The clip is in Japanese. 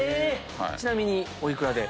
ちなみにお幾らで？